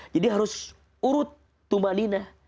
jadi harus urut tumma nina